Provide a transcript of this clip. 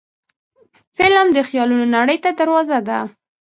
فلم د خیالونو نړۍ ته دروازه ده